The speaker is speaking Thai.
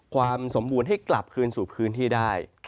ความสมบูรณ์ให้กลับคืนสู่พื้นที่ได้